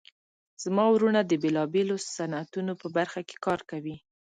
زما وروڼه د بیلابیلو صنعتونو په برخه کې کار کوي